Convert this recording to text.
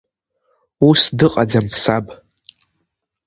Ус дыҟаӡам саб.